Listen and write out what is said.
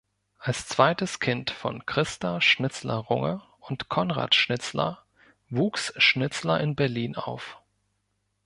Als zweites Kind von Christa Schnitzler-Runge und Conrad Schnitzler wuchs Schnitzler in Berlin auf.